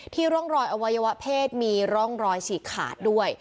ร่องรอยอวัยวะเพศมีร่องรอยฉีกขาดด้วย